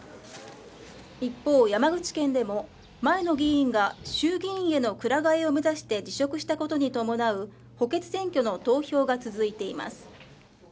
一方、山口県でも前の議員が衆議院へのくら替えを目指して辞職したことに伴う補欠選挙の投票が続いています。